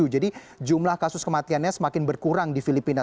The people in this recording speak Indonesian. jadi jumlah kasus kematiannya semakin berkurang di filipina